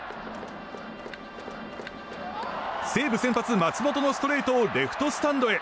西武先発、松本のストレートをレフトスタンドへ。